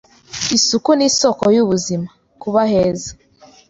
isuku ni isoko y’ubuzima), kuba heza